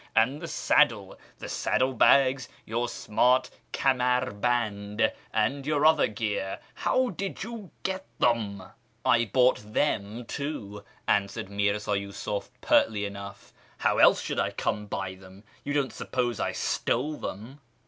And the saddle, the saddle bags, your smart kamar hand, and your other gear, how did you get them ?"" I bought them too," answered Mi'rza Yusuf, pertly enough ;" how else should I come by them ? You don't sup pose I stole them